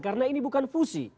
karena ini bukan fusi